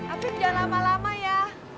afif jangan lama lama ya